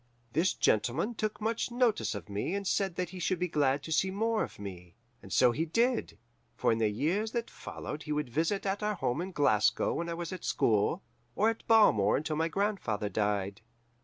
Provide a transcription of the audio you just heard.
"This gentleman took much notice of me and said that he should be glad to see more of me. And so he did, for in the years that followed he would visit at our home in Glasgow when I was at school, or at Balmore until my grandfather died.